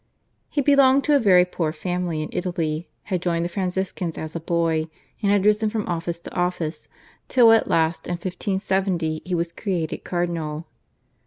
He belonged to a very poor family in Italy, had joined the Franciscans as a boy, and had risen from office to office till at last in 1570 he was created cardinal.